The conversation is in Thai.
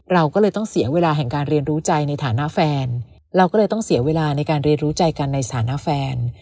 เราก็เลยต้องเสียเวลาแห่งการเรียนรู้ใจในฐานะแฟนเราก็เลยต้องเสียเวลาในการเรียนรู้ใจกันในฐานะแฟน